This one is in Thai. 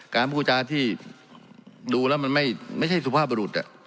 การพูดจาที่ดูแล้วมันไม่ใช่สุภาพบรุษ